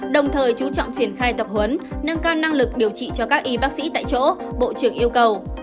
đồng thời chú trọng triển khai tập huấn nâng cao năng lực điều trị cho các y bác sĩ tại chỗ bộ trưởng yêu cầu